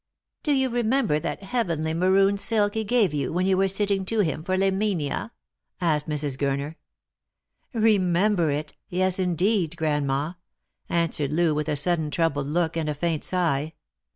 " Do you remember that heavenly maroon silk he gave you when you were sitting to him for Laminia ?" asked Mrs. Gurner. " Remember it? yes, indeed, grandma," answered Loo, with a suddeu troubled look and a faint sigh.